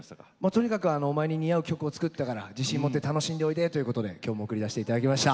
とにかくお前に似合う曲を作ったから自信もって楽しんでおいでということで今日も送り出して頂きました。